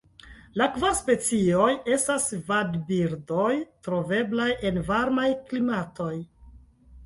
La kvar specioj estas vadbirdoj troveblaj en varmaj klimatoj.